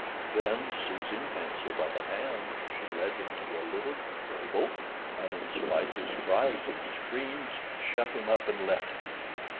Then, seizing Hansel by the hand, she led him to a little stable, and, in spite of his cries and screams, shut him up and left him.